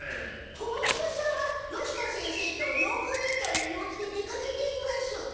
小松田さんは吉野先生と用具委員会の用事で出かけています。